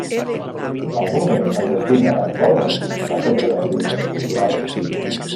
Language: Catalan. El monument es destina actualment a centre d'activitats culturals.